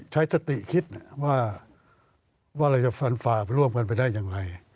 ใช้สติคิดว่าเราจะฟันฝ่าไปร่วมกันไปได้อย่างไร